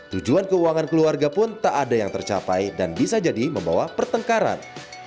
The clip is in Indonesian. tujuan keuangan keluarga pun tak ada yang tercapai dan bisa jadi membawa pertengkaran